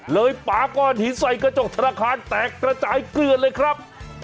ปาก้อนหินใส่กระจกธนาคารแตกกระจายเกลือนเลยครับ